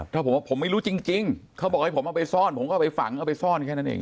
ถ้าผมว่าผมไม่รู้จริงเขาบอกให้ผมเอาไปซ่อนผมก็เอาไปฝังเอาไปซ่อนแค่นั้นเอง